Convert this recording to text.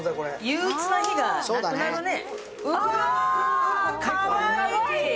憂鬱な日がなくなるね。